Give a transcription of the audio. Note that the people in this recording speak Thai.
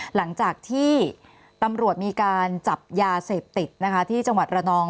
หลังจากที่ตำรวจมีการจับยาเสพติดนะคะที่จังหวัดระนอง